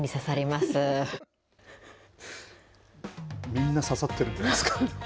みんな刺さってるんじゃないですか。